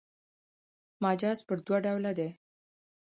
مجاز پر دوه ډوله دﺉ.